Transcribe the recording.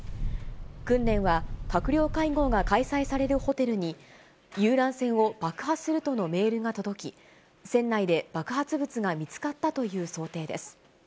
訓練は、閣僚会合が開催されるホテルに、遊覧船を爆破するとのメールが届き、船内で爆発物が見つかったという想定です。